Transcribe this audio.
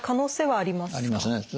ありますね。